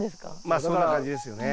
まあそんな感じですよね。